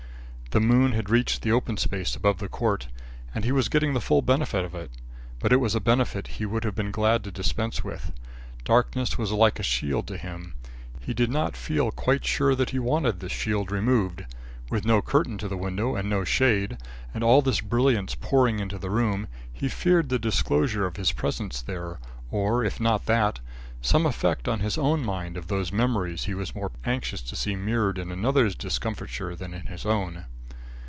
The moon had reached the open space above the court, and he was getting the full benefit of it. But it was a benefit he would have been glad to dispense with. Darkness was like a shield to him. He did not feel quite sure that he wanted this shield removed. With no curtain to the window and no shade, and all this brilliance pouring into the room, he feared the disclosure of his presence there, or, if not that, some effect on his own mind of those memories he was more anxious to see mirrored in another's discomfiture than in his own.